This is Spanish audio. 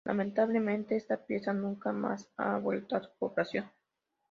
Lamentablemente esta pieza nunca más ha vuelto a su población.